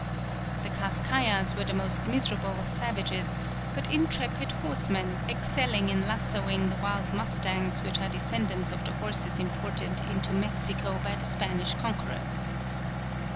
The Kaskaias were the most miserable of savages, but intrepid horsemen, excelling in lassoing the wild mustangs which are descendants of the horses imported into Mexico by the Spanish conquerors.